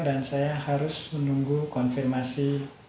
dan saya harus menunggu konfirmasi